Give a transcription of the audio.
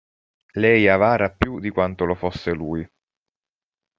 Lei è avara più di quanto lo fosse lui.